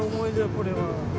これは。